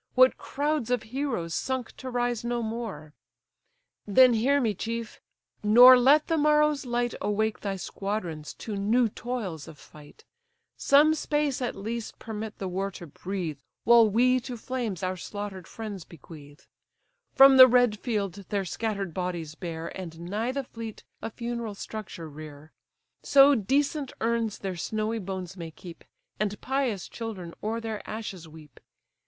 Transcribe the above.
What crowds of heroes sunk to rise no more! Then hear me, chief! nor let the morrow's light Awake thy squadrons to new toils of fight: Some space at least permit the war to breathe, While we to flames our slaughter'd friends bequeath, From the red field their scatter'd bodies bear, And nigh the fleet a funeral structure rear; So decent urns their snowy bones may keep, And pious children o'er their ashes weep.